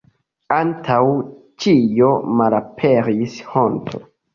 Antaŭ ĉio malaperis honto.